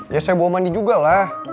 ya saya bawa mandi juga lah